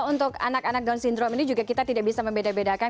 untuk anak anak down syndrome ini juga kita tidak bisa membeda bedakan